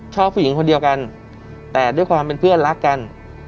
ชอบผู้หญิงคนเดียวกันแต่ด้วยความเป็นเพื่อนรักกัน